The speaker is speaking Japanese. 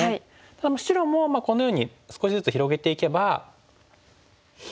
ただ白もこのように少しずつ広げていけばスペースはね